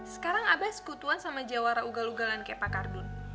sekarang abah sekutuan sama jawara ugal ugalan kayak pak kardun